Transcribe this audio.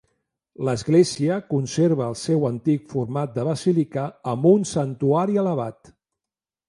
L'església conserva el seu antic format de basílica, amb un santuari elevat.